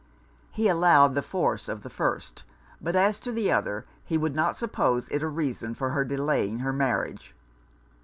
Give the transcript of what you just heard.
He allowed the force of the first; but as to the other, he would not suppose it a reason for her delaying her marriage.